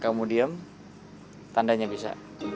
kamu diem tandanya bisa